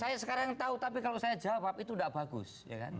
saya sekarang tahu tapi kalau saya jawab itu tidak bagus